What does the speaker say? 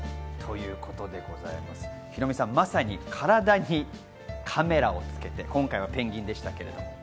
ヒロミさん、まさに体にカメラをつけて今回はペンギンでしたけど。